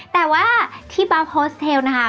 แต่ว่าที่เบาโฮสเทลนะคะ